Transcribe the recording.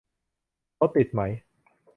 รถติดไหม